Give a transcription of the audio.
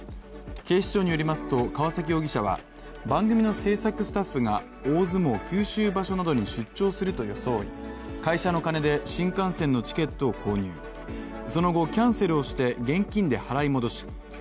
警視庁によりますと川崎容疑者は、番組の制作スタッフが大相撲九州場所などに出張すると装い、会社の金で新幹線のチケットを購入、その後キャンセルをして現金で払い戻し